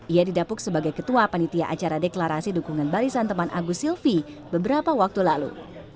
ia didapuk sebagai ketua panitia acara deklarasi dukungan barisan teman agus silvi beberapa waktu lalu